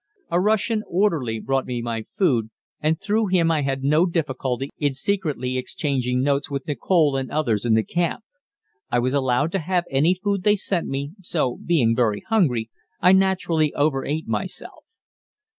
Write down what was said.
A Russian orderly brought me my food, and through him I had no difficulty in secretly exchanging notes with Nichol and others in the camp. I was allowed to have any food they sent me, so, being very hungry, I naturally overate myself.